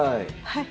はい。